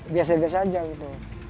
biasa biasa aja gitu